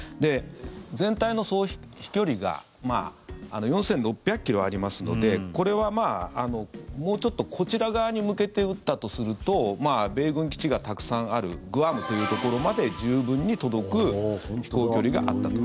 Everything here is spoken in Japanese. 全体の総飛距離が４６００ｋｍありますのでこれは、もうちょっとこちら側に向けて撃ったとすると米軍基地がたくさんあるグアムというところまで十分に届く飛行距離があったと。